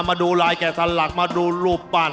มาดูลายแก่สลักมาดูรูปปั้น